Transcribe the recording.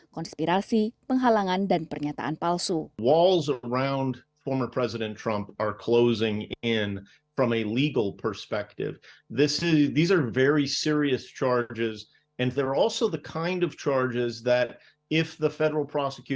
konspirasi penghalangan dan pernyataan palsu